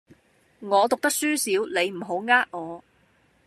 我讀得書少，你唔好呃我